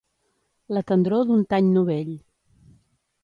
La tendror d'un tany novell.